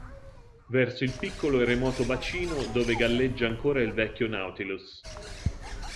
Verso il piccolo e remoto bacino dove galleggia ancora il vecchio Nautilus.